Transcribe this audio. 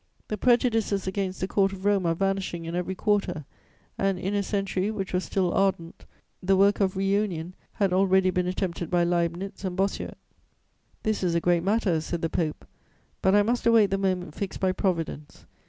The prejudices against the Court of Rome are vanishing in every quarter and, in a century which was still ardent, the work of reunion had already been attempted by Leibnitz and Bossuet.' "'This is a great matter,' said the Pope; 'but I must await the moment fixed by Providence.